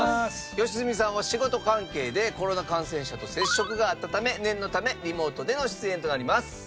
良純さんは仕事関係でコロナ感染者と接触があったため念のためリモートでの出演となります。